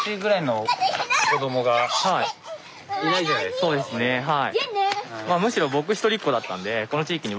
そうですねはい。